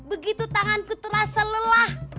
begitu tanganku terasa lelah